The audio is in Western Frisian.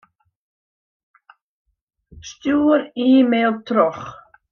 Stjoer e-mail troch.